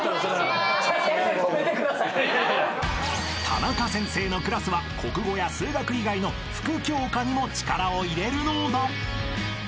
［タナカ先生のクラスは国語や数学以外の副教科にも力を入れるのだ］